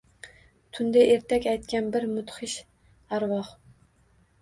Tunda ertak aytgan bir mudhish arvoh.